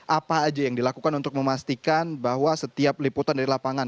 apa aja yang dilakukan untuk memastikan bahwa setiap liputan dari lapangan